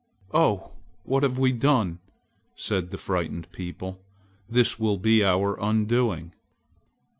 "Oh, what have we done!" said the frightened people, "this will be our undoing."